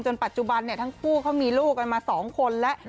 ปัจจุบันทั้งคู่เขามีลูกกันมา๒คนแล้ว